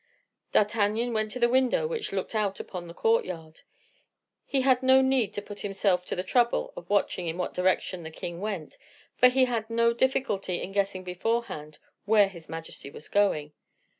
D'Artagnan went to the window which looked out upon the courtyard; he had no need to put himself to the trouble of watching in what direction the king went, for he had no difficulty in guessing beforehand where his majesty was going.